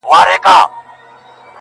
په وهلو یې په کار لګیا کومه -